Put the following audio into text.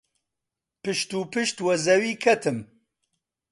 پشت و پشت وە زەوی کەتم.